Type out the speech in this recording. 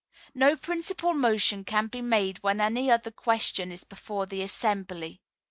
No Principal Motion can be made when any other question is before the assembly.